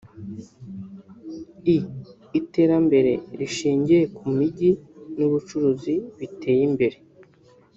e) Iterambere rishingiye ku mijyi n’ubucuruzi biteye imbere